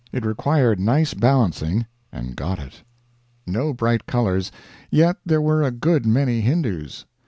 It required nice balancing and got it. No bright colors; yet there were a good many Hindoos.